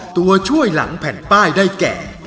ตัวช่วยหลังแผ่นป้ายได้แก่